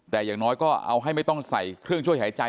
แต่อย่างน้อยก็เอาให้ไม่ต้องใส่เครื่องช่วยหายใจ